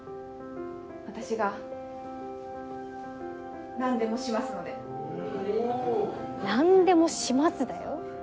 私が何でもしますので「何でもします」だよ？